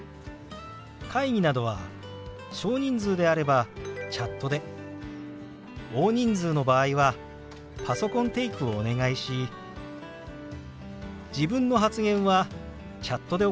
会議などは小人数であればチャットで大人数の場合はパソコンテイクをお願いし自分の発言はチャットで行っています。